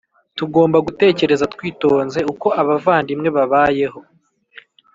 Tugomba gutekereza twitonze uko abavandimwe babayeho